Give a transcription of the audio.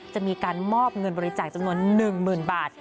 จะมีการมอบเงินบริจาคจำนวน๑๐๐๐บาท